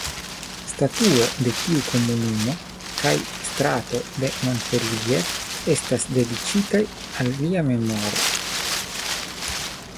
Statuo de tiu komunumo kaj strato de Montpellier estas dediĉitaj al lia memoro.